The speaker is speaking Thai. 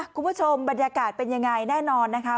คุณผู้ชมบรรยากาศเป็นยังไงแน่นอนนะคะ